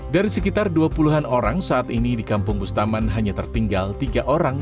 dari sekitar dua puluh an orang saat ini di kampung bustaman hanya tertinggal tiga orang